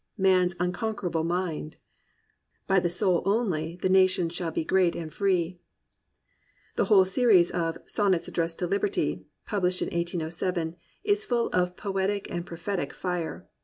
"Man's unconquer able mind." "By the soul only, the Nations shall be great and free." The whole series of Sonnets addressed to Liberty, published in 1807, is full of poetic and prophetic fire.